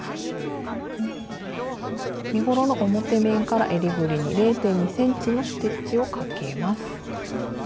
身ごろの表面からえりぐりに０．２ｃｍのステッチをかけます。